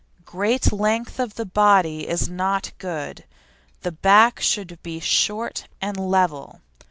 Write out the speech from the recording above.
Great length of body is not good; the back should be short and level.